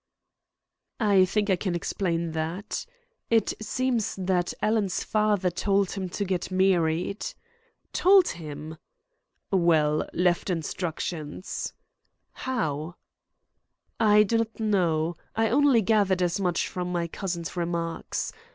"I think I can explain that. It seems that Alan's father told him to get married " "Told him!" "Well, left instructions." "How?" "I do not know. I only gathered as much from my cousin's remarks.